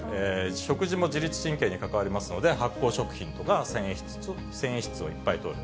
食事も自律神経に関わりますので、発酵食品とか繊維質をいっぱいとる。